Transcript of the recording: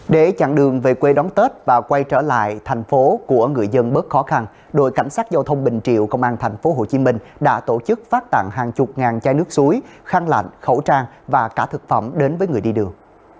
để chặn đường về quê đón tết và quay trở lại thành phố của người dân bớt khó khăn đội cảnh sát giao thông bình triệu công an tp hcm đã tổ chức phát tặng hàng chục ngàn chai nước suối khăn lạnh khẩu trang và cả thực phẩm đến với người đi đường